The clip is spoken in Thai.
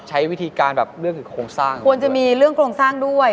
ใช้วิธีการแบบเรื่องของโครงสร้างควรจะมีเรื่องโครงสร้างด้วย